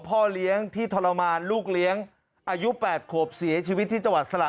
พ่อเลี้ยงที่ทรมานลูกเลี้ยงอายุ๘ขวบเสียชีวิตที่จังหวัดสละ